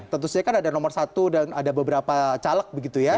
tentu saja kan ada nomor satu dan ada beberapa caleg begitu ya